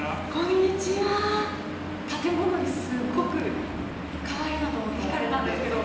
建物に、すごくかわいいなと思って引かれたんですけど。